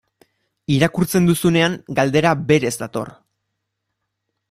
Irakurtzen duzunean, galdera berez dator.